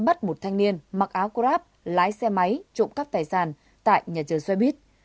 bắt một thanh niên mặc áo grab lái xe máy trộm cắp tài sản tại nhà chờ xoay bít